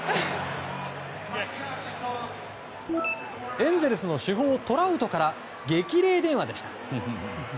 エンゼルスの主砲トラウトから激励電話でした。